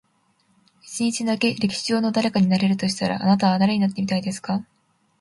一日だけ、歴史上の誰かになれるとしたら、あなたは誰になってみたいですか？